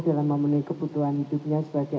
dalam memenuhi kebutuhan hidupnya sebagai